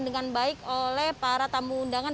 dengan baik oleh para tamu undangan